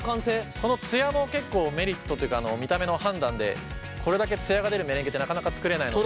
この艶も結構メリットとというか見た目の判断でこれだけ艶が出るメレンゲってなかなか作れないので。